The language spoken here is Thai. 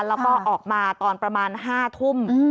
แล้วก็ออกมาตอนประมาณ๕ทุ่ม